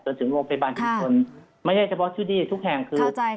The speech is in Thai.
จนถึงโรงพยาบาลผิดคนไม่ได้เฉพาะชื่อดีทุกแห่ง